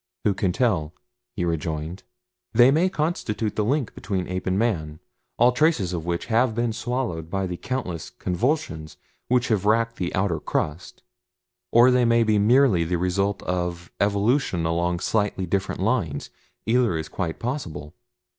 "Who can tell?" he rejoined. "They may constitute the link between ape and man, all traces of which have been swallowed by the countless convulsions which have racked the outer crust, or they may be merely the result of evolution along slightly different lines either is quite possible."